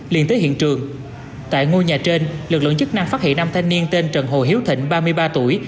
liền tới hiện trường tại ngôi nhà trên lực lượng chức năng phát hiện năm thanh niên tên trần hồ hiếu thịnh ba mươi ba tuổi